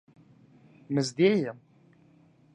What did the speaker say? نږدې يم.